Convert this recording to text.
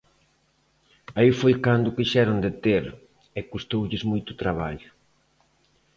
Aí foi cando o quixeron deter, e custoulles moito traballo.